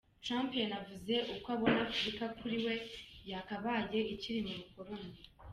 Trump yanavuze uko abona Afurika ko kuri we yakabaye ikiri mu bukoloni.